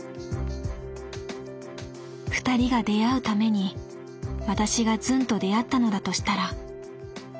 ２人が出会うために私がズンと出会ったのだとしたら？